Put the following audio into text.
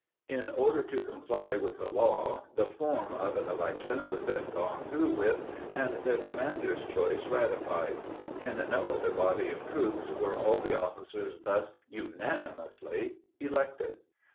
In order to comply with the law, the form of an election was then gone through with, and their commander's choice ratified. In no other body of troops were all the officers thus unanimously elected.